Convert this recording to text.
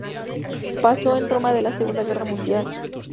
Pasó en Roma la Segunda Guerra Mundial.